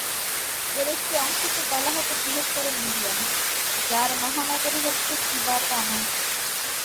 এর একটি অংশকে বলা হত বৃহত্তর মিডিয়া, যার মহানগরী হচ্ছে সিবাতানা।